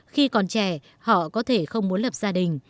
khi còn trẻ họ có thể không muốn lập gia đình